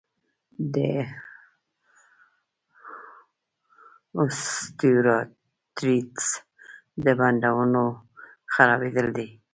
د اوسټیوارتریتس د بندونو خرابېدل دي.